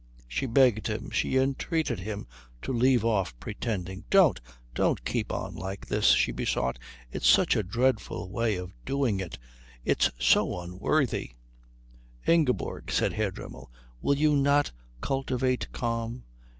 She begged him, she entreated him to leave off pretending. "Don't, don't keep on like this," she besought "it's such a dreadful way of doing it it's so unworthy " "Ingeborg," said Herr Dremmel, "will you not cultivate calm?